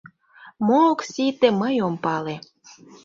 Мо ок сите — мый ом пале.